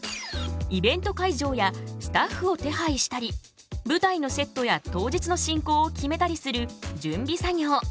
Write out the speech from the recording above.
イベント会場やスタッフを手配したり舞台のセットや当日の進行を決めたりする準備作業。